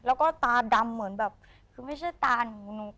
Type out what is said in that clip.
แล้วก็ตาดำเหมือนแบบคือไม่ใช่ตาหนู